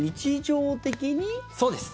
そうです。